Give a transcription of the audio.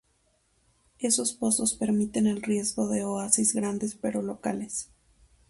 Esos pozos permiten el riego de oasis grandes pero locales.